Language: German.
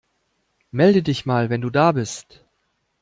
Melde dich mal, wenn du da bist.